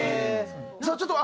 じゃあちょっと。